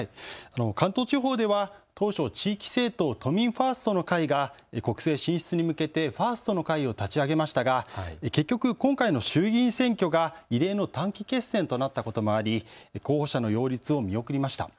関東地方では、当初、地域政党、都民ファーストの会が国政進出に向けてファーストの会を立ち上げましたが結局、今回の衆議院選挙が異例の短期決戦となったこともあり候補者の擁立を見送りました。